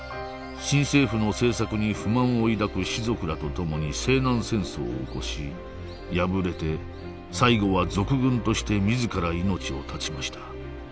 新政府の政策に不満をいだく士族らとともに西南戦争を起こし敗れて最後は賊軍として自ら命を絶ちました。